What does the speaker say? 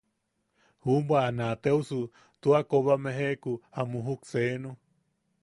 Juʼubwa a naateosu tua koba mejeʼeku a muujuk seenu.